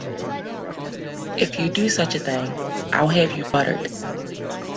If you do such a thing again, I’ll have you buttered!